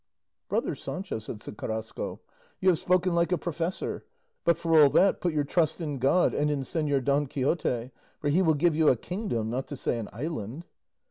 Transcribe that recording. '" "Brother Sancho," said Carrasco, "you have spoken like a professor; but, for all that, put your trust in God and in Señor Don Quixote, for he will give you a kingdom, not to say an island."